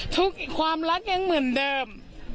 ทุกความรักยังเหมือนเดิม